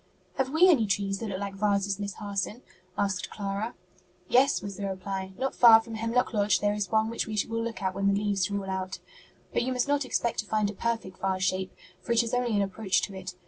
'" "Have we any trees that look like vases, Miss Harson?" asked Clara. "Yes," was the reply; "not far from Hemlock Lodge there is one which we will look at when the leaves are all out. But you must not expect to find a perfect vase shape, for it is only an approach to it.